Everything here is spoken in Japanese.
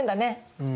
うん。